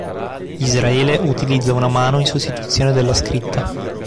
Israele utilizza una mano in sostituzione della scritta.